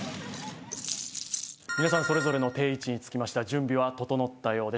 皆さんそれぞれの定位置につきました準備は整ったようです